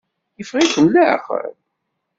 Yeffeɣ-iken leɛqel?